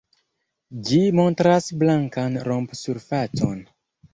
Ĝi montras blankan romp-surfacon.